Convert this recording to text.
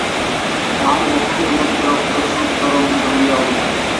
তাঁহার বক্ষের মধ্যে রক্তস্রোত তরঙ্গিত হইয়া উঠিল।